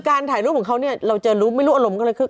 การถ่ายรูปของเขานี่เราจะรู้ไม่รู้อารมณ์